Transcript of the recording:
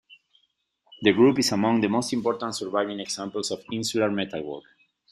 The group is among the most important surviving examples of Insular metalwork.